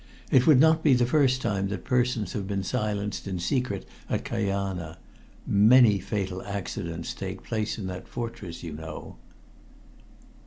It would not be the first time that persons have been silenced in secret at Kajana. Many fatal accidents take place in that fortress, you know."